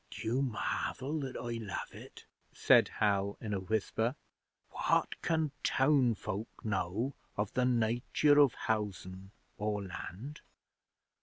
'D'you marvel that I love it?' said Hal, in a whisper. 'What can town folk know of the nature of housen or land?'